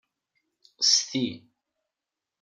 Sti!